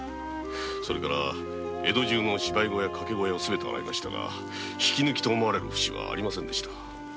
それから江戸中の芝居小屋掛け小屋を全て洗いましたが引き抜きと思われる節はありませんでした。